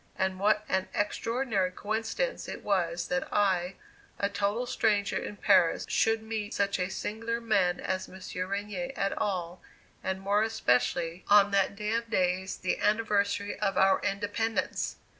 And what an extraordinary coincidence it was that I, a total stranger in Paris, should meet such a singular man as M. Regnier at all, and more especially on that day of days, the anniversary of our Independence!